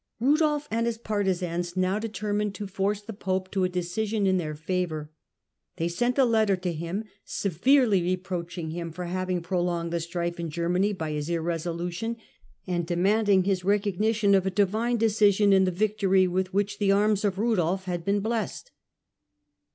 Rudolf and his partisans now determined to force the pope to a decision in their favour. They sent a letter to him severely reproaching him for having pro longed the strife in Germany by his irresolution, and demanding his recognition of a divine decision in the victory with which the arms of Rudolf had been blessed.